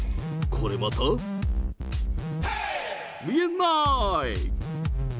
これまた、見えない。